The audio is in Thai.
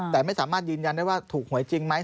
แต่ไม่สามารถยืนยันได้ว่าถูกหวยจริงไหม